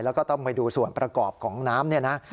แล้วก็ต้องไปดูส่วนประกอบของน้ำเนี่ยนะ